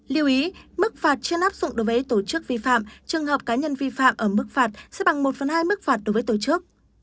lưu ý mức phạt trên áp dụng đối với tổ chức vi phạm trường hợp cá nhân vi phạm ở mức phạt sẽ bằng một phần hai mức phạt đối với tổ chức